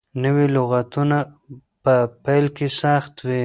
نوي لغتونه په پيل کې سخت وي.